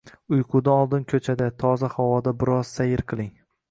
Uyqudan oldin ko‘chada, toza havoda bir oz sayr qiling.